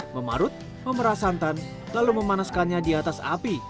memarut memerah santan lalu memanaskannya di atas api